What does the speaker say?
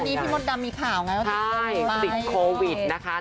ก่อนนั้นพี่มดดำมีข่าวไงติดโควิดนะคะ